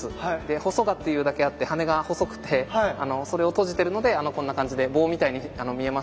ホソガというだけあって羽が細くてそれを閉じてるのでこんな感じで棒みたいに見えますけれど。